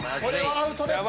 アウトです。